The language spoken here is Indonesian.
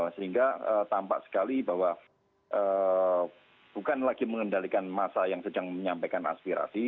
sehingga tampak sekali bahwa bukan lagi mengendalikan masa yang sedang menyampaikan aspirasi